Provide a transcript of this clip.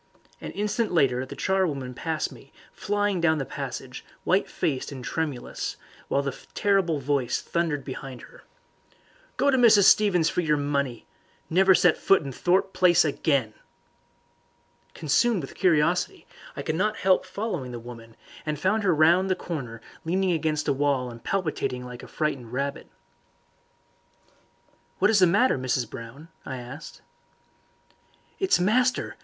An instant later the charwoman passed me, flying down the passage, white faced and tremulous, while the terrible voice thundered behind her. "Go to Mrs. Stevens for your money! Never set foot in Thorpe Place again!" Consumed with curiosity, I could not help following the woman, and found her round the corner leaning against the wall and palpitating like a frightened rabbit. "What is the matter, Mrs. Brown?" I asked. "It's master!"